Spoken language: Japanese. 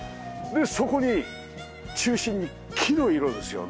そこに中心に木の色ですよね。